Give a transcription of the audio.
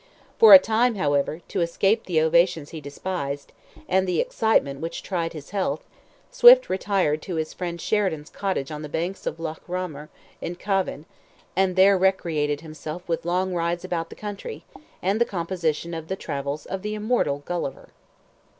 For a time, however, to escape the ovations he despised, and the excitement which tried his health, Swift retired to his friend Sheridan's cottage on the banks of Lough Ramor, in Cavan, and there recreated himself with long rides about the country, and the composition of the Travels of the immortal Gulliver.